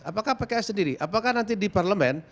apakah pks sendiri apakah nanti di parlemen